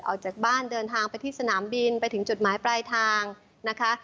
ออกจากบ้านเดินทางไปที่สนามบินไปถึงจุดหมายปลายทางนะคะ